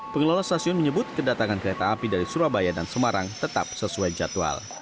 pengelola stasiun menyebut kedatangan kereta api dari surabaya dan semarang tetap sesuai jadwal